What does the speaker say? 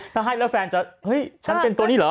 ถ้าให้แล้วแฟนจะเฮ้ยฉันเป็นตัวนี้เหรอ